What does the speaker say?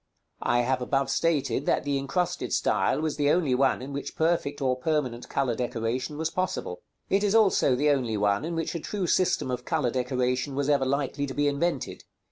I have above stated that the incrusted style was the only one in which perfect or permanent color decoration was possible. It is also the only one in which a true system of color decoration was ever likely to be invented.